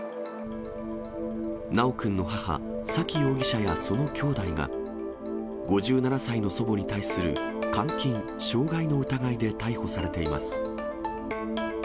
修くんの母、沙喜容疑者やそのきょうだいが、５７歳の祖母に対する監禁・傷害の疑いで逮捕されています。